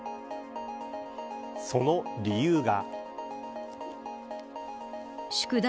その理由が。